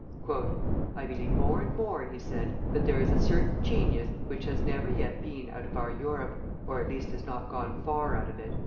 "I believe more and more," he said, "that there is a certain genius which has never yet been out of our Europe, or, at least, has not gone far out of it."